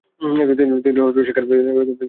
তিনি সেখানে এক বছর কাজ করেন।